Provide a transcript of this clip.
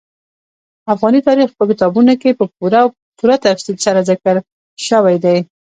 افغاني تاریخ په کتابونو کې په پوره او پوره تفصیل سره ذکر شوی دي.